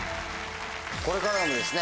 これからもですね